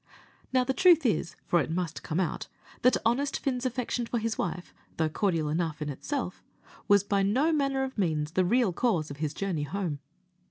Now, the truth is, for it must come out, that honest Fin's affection for his wife, though cordial enough in itself, was by no manner of means the real cause of his journey home.